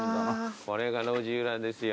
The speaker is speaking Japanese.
これが路地裏ですよ。